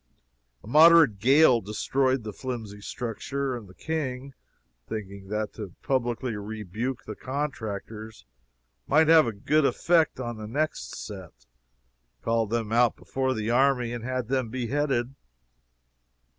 A moderate gale destroyed the flimsy structure, and the King, thinking that to publicly rebuke the contractors might have a good effect on the next set, called them out before the army and had them beheaded.